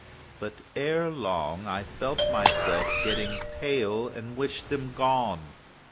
But, ere long, I felt myself getting pale and wished them gone.